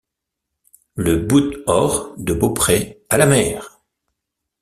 Le bout-hors de beaupré à la mer.